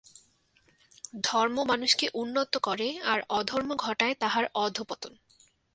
ধর্ম মানুষকে উন্নত করে, আর অধর্ম ঘটায় তাহার অধঃপতন।